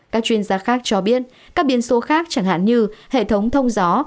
các chuyên gia khác cho biết các biến số khác chẳng hạn như hệ thống thông gió